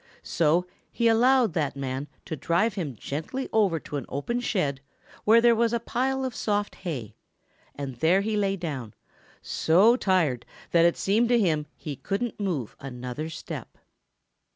So he allowed the man to drive him gently over to an open shed where there was a pile of soft hay and there he lay down, so tired that it seemed to him he couldn't move another step.